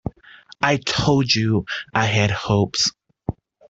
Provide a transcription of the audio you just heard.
I told you I had hopes.